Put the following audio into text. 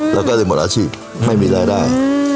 แล้วก็เลยหมดอาชีพไม่มีรายได้